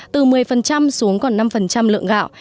từ một mươi xuống còn năm lượng gạo